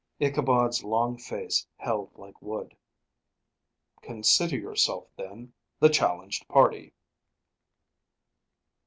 Ichabod's long face held like wood. "Consider yourself, then, the challenged party."